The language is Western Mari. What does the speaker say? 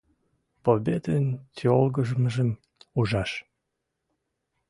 Победын тьолгыжмыжым ужаш!